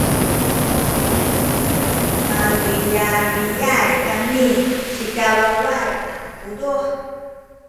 maluyaluyay kami sikawaway a puduh